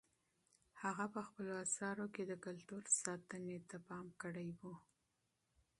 هغه په خپلو اثارو کې د کلتور ساتنې ته پام کړی و.